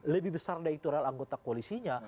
lebih besar dari itu adalah anggota koalisinya